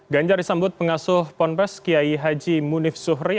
ganjar disambut pengasuh pondok pesantren kiai haji munif zuhri